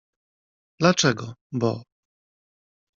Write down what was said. — Dlaczego? — Bo.